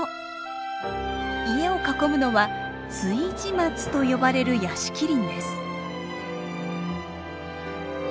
家を囲むのは「築地松」と呼ばれる屋敷林です。